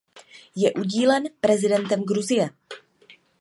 Je udílen prezidentem Gruzie.